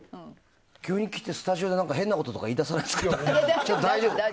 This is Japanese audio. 急に来て、スタジオで変なこと言い出さないですかね。